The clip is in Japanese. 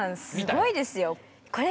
すごいですよ